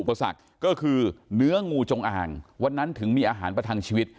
ก็คือเนื้องูจงอ่างวันนั้นถึงมีอาหารประทังชีวิต